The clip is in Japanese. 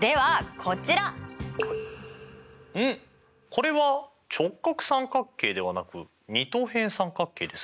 これは直角三角形ではなく二等辺三角形ですが。